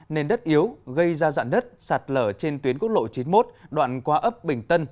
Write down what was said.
nền đất yếu gây ra dạn đất sạt lở trên tuyến quốc lộ chín mươi một đoạn qua ấp bình tân